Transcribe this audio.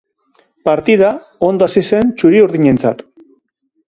Partida ondo hasi zen txuri-urdinentzat.